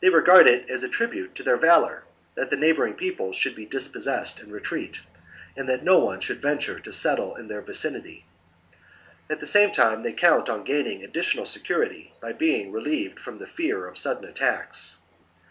They regard it as a tribute to their valour that the neighbour ing peoples should be dispossessed and retreat, and that no one should venture to settle in their vicinity ; at the same time they count on gaining additional security by being relieved from the fear of sudden raids.